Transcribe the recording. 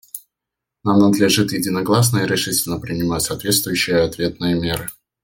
Нам надлежит единогласно и решительно принимать соответствующие ответные меры.